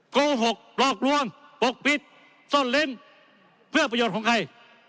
โกหกหลอกลวงปกปิดซ่อนเล้นเพื่อประโยชน์ของใคร